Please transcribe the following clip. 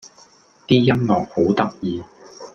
啲音樂好得意